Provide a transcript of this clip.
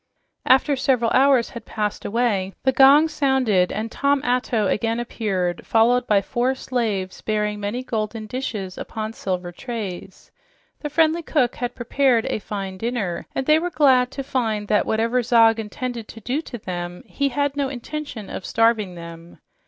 After several hours had passed away, the gong sounded and Tom Atto again appeared, followed by four slaves bearing many golden dishes upon silver trays. The friendly cook had prepared a fine dinner, and they were all glad to find that, whatever Zog intended to do to them, he had no intention of starving them.